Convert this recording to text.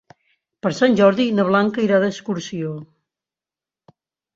Per Sant Jordi na Blanca irà d'excursió.